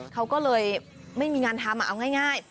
เขาก็เลยไม่มีงานทำเอาง่าย